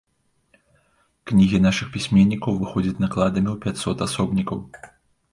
Кнігі нашых пісьменнікаў выходзяць накладамі ў пяцьсот асобнікаў.